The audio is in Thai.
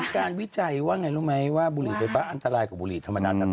การวิจัยว่าไงรู้ไหมว่าบุหรี่ไฟฟ้าอันตรายกว่าบุหรี่ธรรมดานั้น